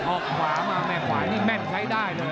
ออกขวามาแม่ขวานี่แม่นใช้ได้เลย